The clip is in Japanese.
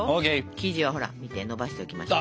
生地はほら見てのばしておきました。